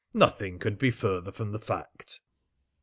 Nothing could be further from the fact."